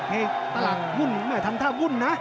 นี่ตลาดหุ้นแม่ทำท่าวุ่นนะ